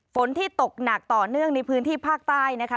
ฝนที่ตกหนักต่อเนื่องในพื้นที่ภาคใต้นะคะ